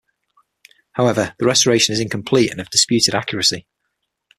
However, the restoration is incomplete and of disputed accuracy.